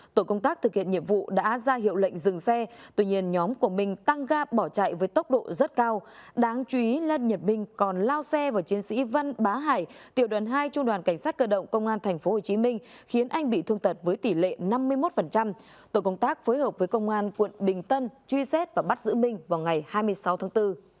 tổ công tác thực hiện nhiệm vụ đã ra hiệu lệnh dừng xe tuy nhiên nhóm của minh tăng ga bỏ chạy với tốc độ rất cao đáng chú ý lê nhật minh còn lao xe vào chiến sĩ vân bá hải tiểu đoàn hai trung đoàn cảnh sát cơ động công an tp hcm khiến anh bị thương tật với tỷ lệ năm mươi một tổ công tác phối hợp với công an quận bình tân truy xét và bắt giữ minh vào ngày hai mươi sáu tháng bốn